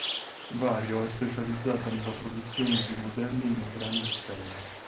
Vario è specializzata nella produzione di modelli in grande scala.